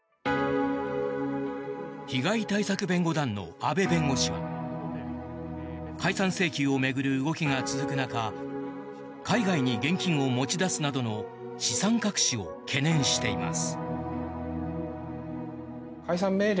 被害対策弁護団の阿部弁護士は解散請求を巡る動きが続く中海外に現金を持ち出すなどの資産隠しを懸念しています。